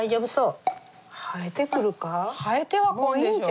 生えてはこんでしょ。